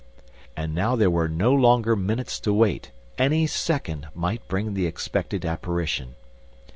And now there were no longer minutes to wait. Any second might bring the expected apparition.